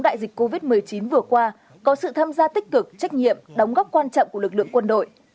đại dịch covid một mươi chín vừa qua có sự tham gia tích cực trách nhiệm đóng góp quan trọng của lực lượng quân đội